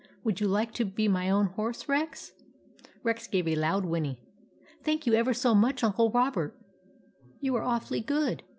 " Would you like to be my own horse, Rex ?" Rex gave a loud whinny. " Thank you ever so much, Uncle Robert. You are awfully good.